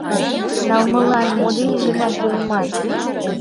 Налмылан мо дене гынат тӱлыман?